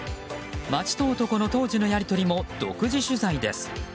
町と男の当時のやり取りも独自取材です。